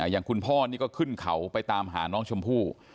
อย่างคุณพ่อนี่ก็ขึ้นเขาไปตามหาน้องชมพู่